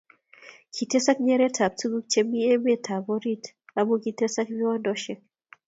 Kitesak nyeretab tuguk che mi emet orit amu kitesak viwandasiek.